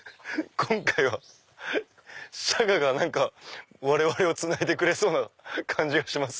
今回はシャガが我々をつないでくれそうな感じがします。